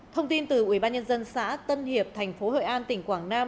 thông tin từ ủy ban nhân dân xã tân hiệp thành phố hội an tỉnh quảng nam